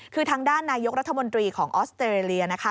คือทางด้านนายกรัฐมนตรีของออสเตรเลียนะคะ